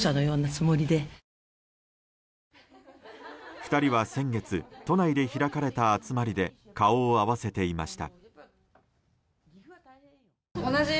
２人は先月、都内で開かれた集まりで顔を合わせていました。